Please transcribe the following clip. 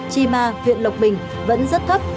chi ma huyện lộc bình vẫn rất thấp